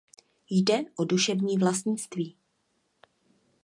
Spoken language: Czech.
Jde o duševní vlastnictví.